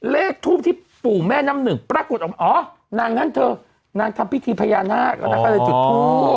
เลขทูบที่ปู่แม่น้ำหนึ่งปรากฏอ๋อนางนั้นเธอนางทำพิธีพญานาคก็นั้นเขาเลยจุดทูบ